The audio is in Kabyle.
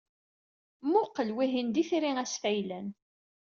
Mmuqqel, wihin d Itri Asfaylan.